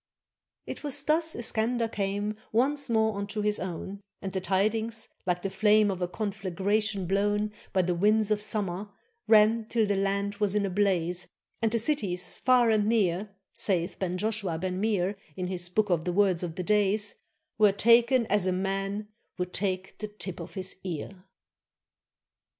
It was thus Iskander came Once more unto his own ; And the tidings, like the flame Of a conflagration blown By the winds of summer, ran, Till the land was in a blaze, And the cities far and near, Sayeth Ben Joshua Ben Meir In his Book of the Words of the Days, "Were taken as a man Would take the tip of his ear."